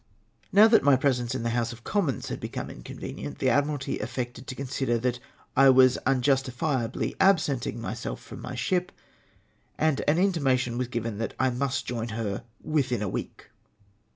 Now that my presence in the House of Commons had become inconvenient, the Admiralty affected to consider that / was unjusti/iabli/ absenting myself from my ship ! and an intimation was given that I must join her within a week